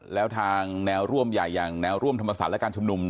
แล้วทางแนวร่วมใหญ่อย่างแนวร่วมธรรมศาสตร์และการชุมนุม